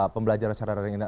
pembelajaran secara ringan